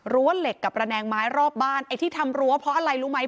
เหล็กกับระแนงไม้รอบบ้านไอ้ที่ทำรั้วเพราะอะไรรู้ไหม